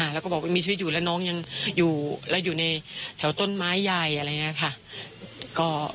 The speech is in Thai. แล้วก็บอกว่ามีชีวิตอยู่แล้วน้องยังอยู่แล้วอยู่ในแถวต้นไม้ใหญ่อะไรอย่างนี้ค่ะ